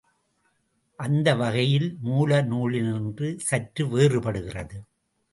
அந்த வகையில் மூல நூலினின்று சற்று வேறுபடுகிறது.